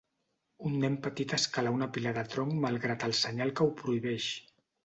Un nen petit escala una pila de tronc malgrat el senyal que ho prohibeix.